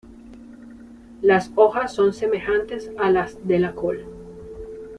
Las hojas son semejantes a las de la col.